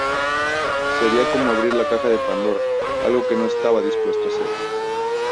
Sería como abrir la Caja de Pandora, algo que no estaba dispuesto a hacer.